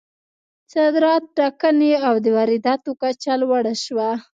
صادرات ټکني او د وارداتو کچه لوړه شوه.